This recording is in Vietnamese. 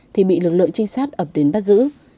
thì bị lực lượng trinh sát ập đến bắt giữ